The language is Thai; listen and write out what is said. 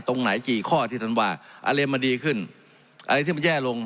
ตรงไหนกี่ข้อที่ท่านว่าอะไรมันดีขึ้นอะไรที่มันแย่ลง